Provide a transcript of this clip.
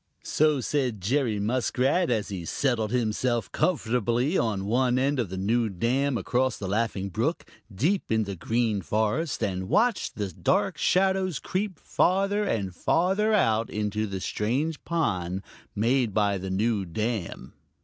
So said Jerry Muskrat, as he settled himself comfortably on one end of the new dam across the Laughing Brook deep in the Green Forest and watched the dark shadows creep farther and farther out into the strange pond made by the new dam.